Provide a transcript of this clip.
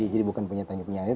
jadi bukan punya tanjung pinang